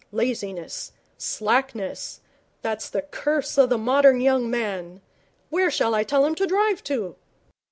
'Laziness slackness that's the curse of the modern young man. Where shall I tell him to drive to?'